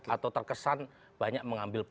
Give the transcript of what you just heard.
atau terkesan banyak mengambil